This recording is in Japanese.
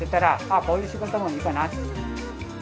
こういう仕事もいいかなって。